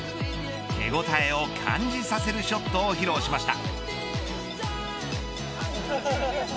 手応えを感じさせるショットを披露しました。